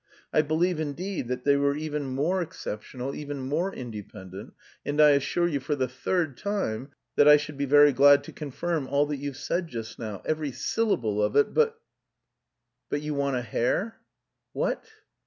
I believe, indeed, that they were even more exceptional, even more independent, and I assure you for the third time that I should be very glad to confirm all that you've said just now, every syllable of it, but..." "But you want a hare?" "Wh a t?"